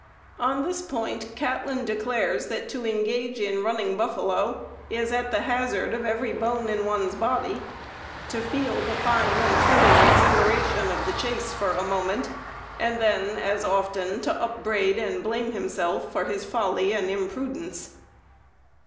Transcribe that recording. On this point Catlin declares that to engage in running buffalo is "at the hazard of every bone in one's body, to feel the fine and thrilling exhilaration of the chase for a moment, and then as often to upbraid and blame himself for his folly and imprudence."